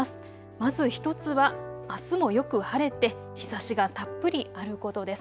まず１つは、あすもよく晴れて日ざしがたっぷりあることです。